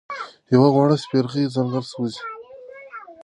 یوه وړه سپرغۍ ځنګل سوځوي.